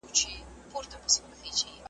لا یې لمر پر اسمان نه دی راختلی .